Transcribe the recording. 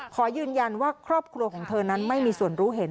ขอยืนยันว่าครอบครัวของเธอนั้นไม่มีส่วนรู้เห็น